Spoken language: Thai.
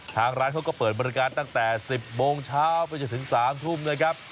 ทางร้านเขาก็เปิดบริการตั้งแต่๑๐โมงเช้าไปจนถึง๓ทุ่มนะครับ